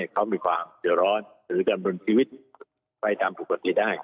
เขามีความเผรอร้อนหรือจำนวนชีวิตไปทำปกติได้